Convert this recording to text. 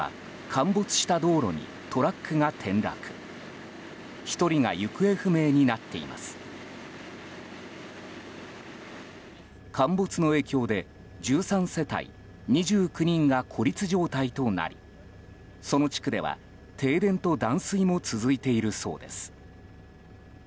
陥没の影響で１３世帯２９人が孤立状態となりその地区では停電と断水も続いているそうです。